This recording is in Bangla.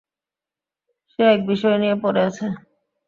সেই এক বিষয় নিয়ে পড়ে আছো!